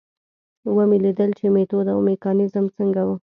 ومې لیدل چې میتود او میکانیزم څنګه و.